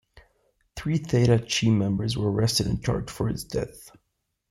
Three Theta Chi members were arrested and charged for his death.